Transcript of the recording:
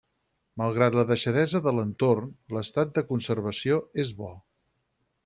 Malgrat la deixadesa de l'entorn, l'estat de conservació és bo.